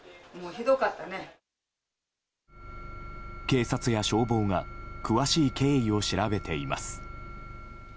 警察や消防が詳しい経緯を調べています。